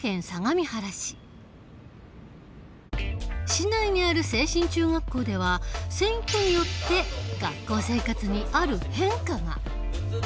市内にある清新中学校では選挙によって学校生活にある変化が。